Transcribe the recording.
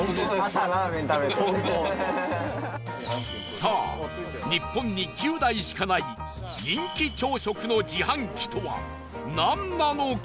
さあ、日本に９台しかない人気朝食の自販機とはなんなのか？